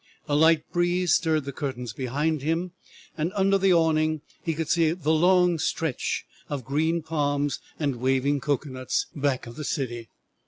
A light breeze stirred the curtains behind him, and under the awning he could see the long stretch of green palms and waving cocoanuts, back of the city.